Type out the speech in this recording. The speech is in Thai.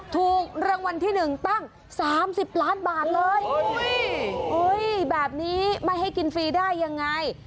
ถูกรางวัลที่๑ตั้ง๓๐ล้านบาทเลยแบบนี้ไม่ให้กินฟรีได้ยังไง